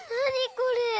これ。